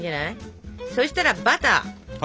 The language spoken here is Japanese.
そしたらバター。